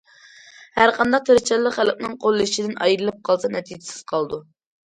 ھەرقانداق تىرىشچانلىق خەلقنىڭ قوللىشىدىن ئايرىلىپ قالسا نەتىجىسىز قالىدۇ.